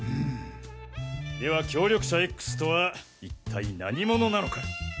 では協力者Ｘとは一体何者なのか。